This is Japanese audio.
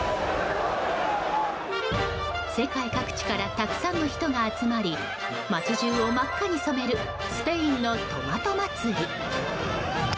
世界各地からたくさんの人が集まり街中を真っ赤に染めるスペインのトマト祭り。